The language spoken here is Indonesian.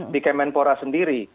di kemenpora sendiri